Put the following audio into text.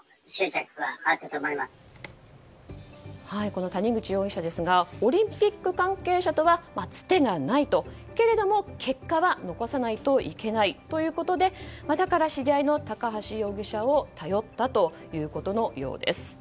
この谷口容疑者ですがオリンピック関係者とはつてがないけれども結果は残さないといけないということでだから知り合いの高橋容疑者を頼ったということのようです。